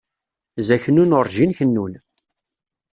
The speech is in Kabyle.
Zaknun urǧin kennun.